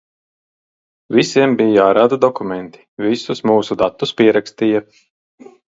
Visiem bija jārāda dokumenti, visus mūsu datus pierakstīja.